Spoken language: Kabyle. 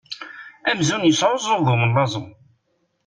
Amzun yesεuẓẓug umellaẓu!